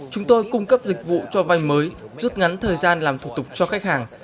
chúng tôi cung cấp dịch vụ cho vai mới giúp ngắn thời gian làm thuộc tục cho khách hàng